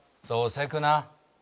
そう急くな。